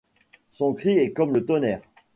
Son cri est comme le tonnerre.